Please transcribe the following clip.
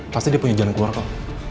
pasti dia punya jalan keluar kok